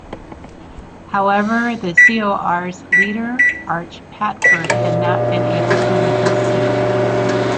However, the CoR's leader, Arch Pafford, had not been able to win his seat.